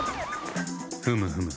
ふむふむ。